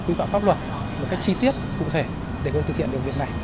quy phạm pháp luật một cách chi tiết cụ thể để có thể thực hiện được việc này